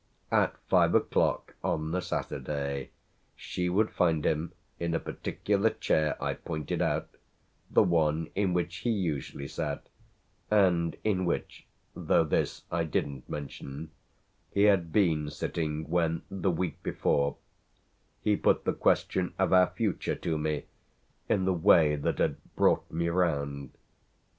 At five o'clock on the Saturday she would find him in a particular chair I pointed out, the one in which he usually sat and in which though this I didn't mention he had been sitting when, the week before, he put the question of our future to me in the way that had brought me round.